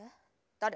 誰？